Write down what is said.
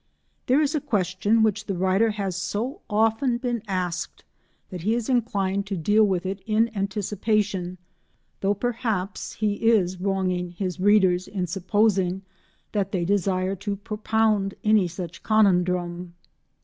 There is a question which the writer has so often been asked that he is inclined to deal with it in anticipation, though perhaps he is wronging his readers in supposing that they desire to propound any such conundrum.